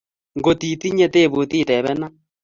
Ngot itinye tebut itepenan